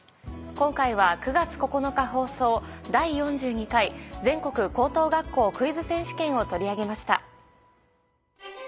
今回は９月９日放送『第４２回全国高等学校クイズ選手権』を取り上げました。